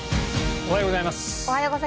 おはようございます。